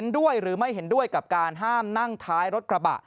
ด้วยหรือไม่เห็นด้วยกับการห้ามนั่งท้ายรถกระบะ